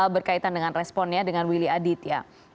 berkaitan dengan responnya dengan willy adit ya